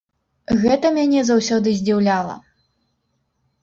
Гэта мяне заўсёды здзіўляла.